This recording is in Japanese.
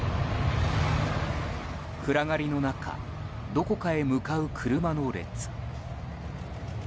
暗がりの中どこかへ向かう車の列。